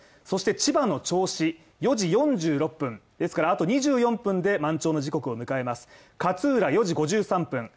そして千葉の銚子４時４６分ですから後２４分で満潮の時刻を迎えます勝浦４時５３分